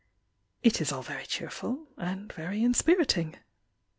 It is all very cheerful And very inspiriting.